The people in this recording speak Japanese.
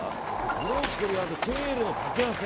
ブロッコリーとケールの掛け合わせ。